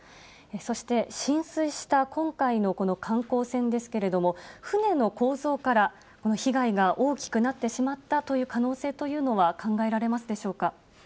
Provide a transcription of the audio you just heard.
そして、浸水した今回のこの観光船ですけれども、船の構造から、被害が大きくなってしまったという可能性というのは考えられます